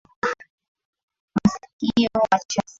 Masikio machafu.